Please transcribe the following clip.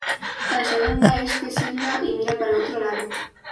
a la segunda éste silba y mira para otro lado